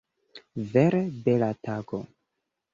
Vere bela tago!